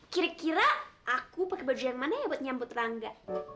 kira kira aku pakai baju yang mana ya buat nyambut rangga